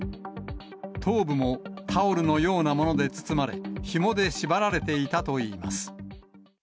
頭部もタオルのようなもので包まれ、ひもで縛られていたといいます。